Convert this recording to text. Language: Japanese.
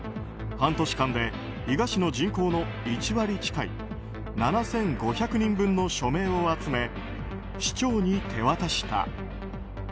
半年間で伊賀市の人口の１割近い７５００人分の署名を集め市長に手渡した。